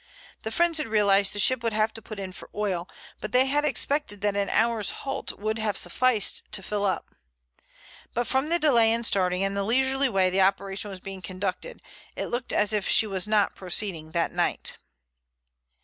The friends had realized the ship would have to put in for oil, but they had expected that an hour's halt would have sufficed to fill up. But from the delay in starting and the leisurely way the operation was being conducted, it looked as if she was not proceeding that night.